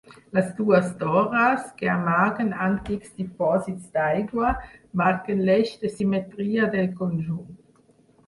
Les dues torres, que amaguen antics dipòsits d'aigua, marquen l'eix de simetria del conjunt.